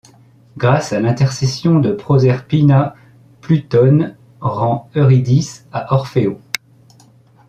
Grâce à l'intercession de Proserpina, Plutone rend Euridice à Orfeo.